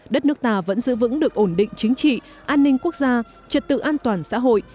đất nước ta vẫn giữ vững được ổn định chính trị an ninh quốc gia trật tự an toàn xã hội